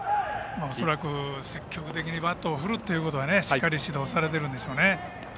恐らく積極的にバットを振るということをしっかり指導されているんでしょうね。